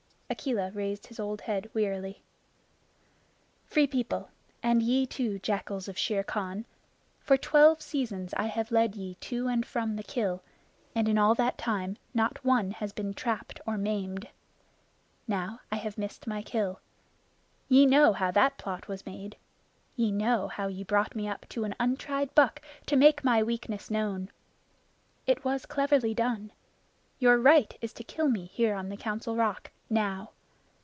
Akela raised his old head wearily: "Free People, and ye too, jackals of Shere Khan, for twelve seasons I have led ye to and from the kill, and in all that time not one has been trapped or maimed. Now I have missed my kill. Ye know how that plot was made. Ye know how ye brought me up to an untried buck to make my weakness known. It was cleverly done. Your right is to kill me here on the Council Rock, now.